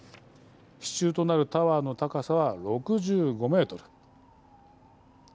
支柱となるタワーの高さは６５ｍ。